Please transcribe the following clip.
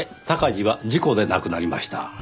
鷹児は事故で亡くなりました。